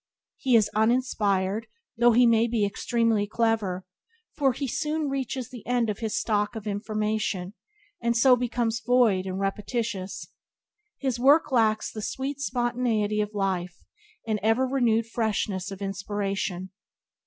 He is uninspired (though he may be extremely clever), for he soon reaches the end of his stock of information, and so becomes void and repetitious. His works lack the sweet spontaneity of life and ever renewed freshness of inspiration.